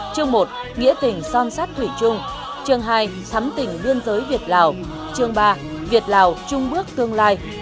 chương một nghĩa tình son sát thủy trung chương hai thắm tỉnh biên giới việt lào chương ba việt lào trung bước tương lai